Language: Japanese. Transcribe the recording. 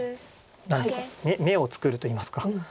眼を作るといいますか。